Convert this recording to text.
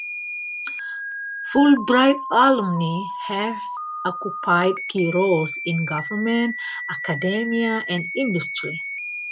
Fulbright alumni have occupied key roles in government, academia, and industry.